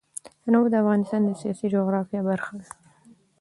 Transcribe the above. تنوع د افغانستان د سیاسي جغرافیه برخه ده.